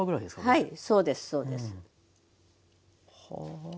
はいそうですそうです。